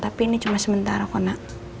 tapi ini cuma sementara konak